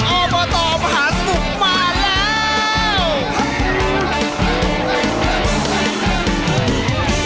ออเบอร์ตอบมหาสนุกมาแล้ว